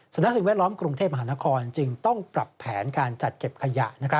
สิ่งแวดล้อมกรุงเทพมหานครจึงต้องปรับแผนการจัดเก็บขยะ